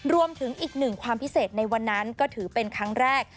รวมถึงอีกหนึ่งความพิเศษในวันนั้นก็ถือเป็นครั้งแรก